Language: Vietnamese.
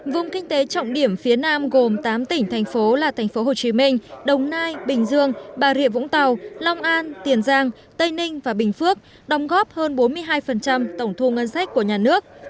vùng kinh tế trọng điểm phía nam gồm tám tỉnh thành phố là thành phố hồ chí minh đồng nai bình dương bà rịa vũng tàu long an tiền giang tây ninh và bình phước đóng góp hơn bốn mươi hai tổng thu ngân sách của nhà nước